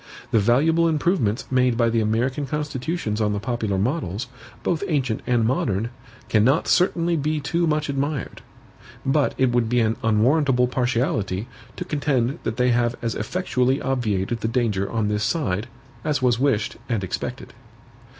The valuable improvements made by the American constitutions on the popular models, both ancient and modern, cannot certainly be too much admired; but it would be an unwarrantable partiality, to contend that they have as effectually obviated the danger on this side, as was wished and expected.